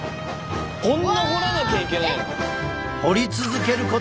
こんな掘らなきゃいけないの？